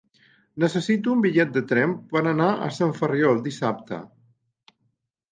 Necessito un bitllet de tren per anar a Sant Ferriol dissabte.